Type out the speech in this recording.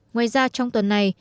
ngoài ra trong tuần này